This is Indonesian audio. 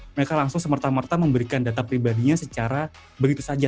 mereka langsung semerta merta memberikan data pribadinya secara begitu saja